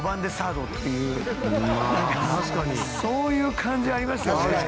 そういう感じがありましたよね。